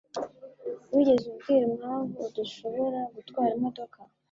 Wigeze ubwira impamvu udashobora gutwara imodoka?